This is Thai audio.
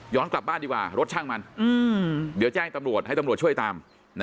กลับบ้านดีกว่ารถช่างมันเดี๋ยวแจ้งตำรวจให้ตำรวจช่วยตาม